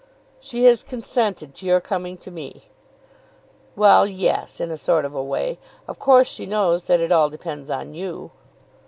"She has consented to your coming to me?" "Well, yes; in a sort of a way. Of course she knows that it all depends on you."